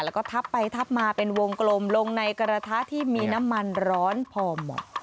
แล้วก็ทับไปทับมาเป็นวงกลมลงในกระทะที่มีน้ำมันร้อนพอหมด